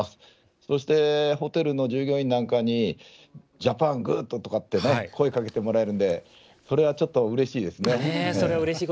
そしてホテルの従業員なんかにジャパン、グッド！とか声をかけてもらえるのでそれはちょっとうれしいですね。